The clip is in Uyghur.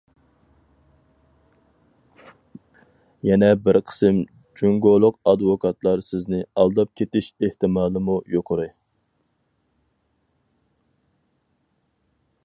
يەنى بىر قىسىم جۇڭگولۇق ئادۋوكاتلار سىزنى ئالداپ كېتىش ئېھتىمالىمۇ يۇقىرى.